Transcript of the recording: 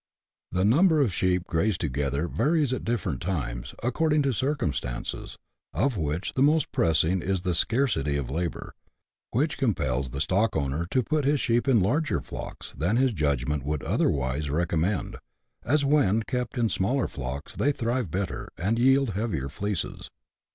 The number of sheep grazed together varies at different times, according to circumstances, of which the most pressing is the scarcity of labour, which compels the stockowner to put his sheep in larger flocks than his judgment would otherwise recom 44 BUSH LIFE IN AUSTRALIA. [chap. v. mend, as, when kept in smaller flocks, they thrive better, and yield heavier fleeces.